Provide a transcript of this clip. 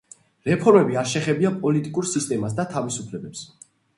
რეფორმები არ შეხებია პოლიტიკურ სისტემას და თავისუფლებებს.